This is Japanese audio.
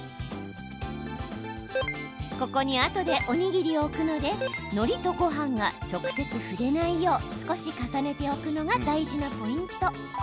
ここにあとでおにぎりを置くのでのりとごはんが直接触れないよう少し重ねておくのが大事なポイント。